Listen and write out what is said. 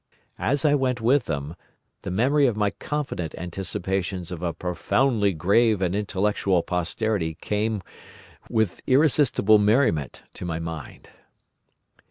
As I went with them the memory of my confident anticipations of a profoundly grave and intellectual posterity came, with irresistible merriment, to my mind.